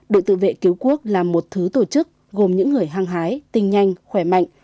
đội tự vệ cứu quốc là một thứ tổ chức gồm những người hăng hái tinh nhanh khỏe mạnh